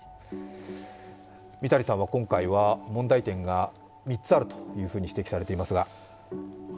三谷さんは今回は問題点が３つあると指摘されていますが？